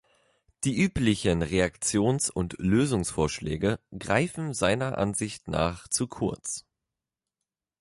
Die üblichen Reaktions- und Lösungsvorschläge greifen seiner Ansicht nach zu kurz.